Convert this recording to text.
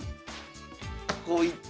こういった。